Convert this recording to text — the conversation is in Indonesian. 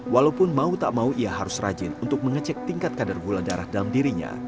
walaupun mau tak mau ia harus rajin untuk mengecek tingkat kadar gula darah dalam dirinya